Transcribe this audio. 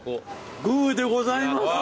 グーでございます！